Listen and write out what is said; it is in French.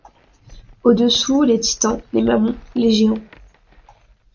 Au-dessous, les Titans, les mammons, les géants